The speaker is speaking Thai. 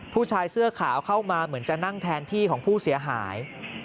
ผู้ชายเสื้อขาวเข้ามาเหมือนจะนั่งแทนที่ของผู้เสียหาย